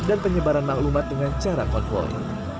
dan penyebaran maklumat dengan cara konfor